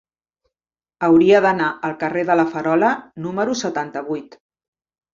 Hauria d'anar al carrer de La Farola número setanta-vuit.